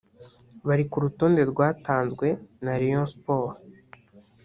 bari ku rutonde rwatanzwe na Rayon Sport